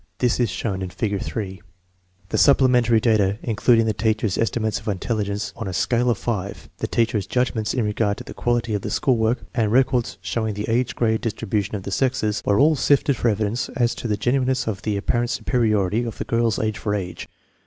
This is shown in Figure 3. The supplementary data, including the teachers' esti mates of intelligence on a scale of five, the teachers' judg ments in regard to the quality of the school work, and rec ords showing the age grade distribution of the sexes, were all sifted for evidence as to the genuineness of the apparent superiority of the girls age for age.